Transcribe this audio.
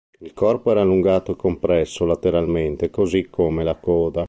Il corpo era allungato e compresso lateralmente, così come la coda.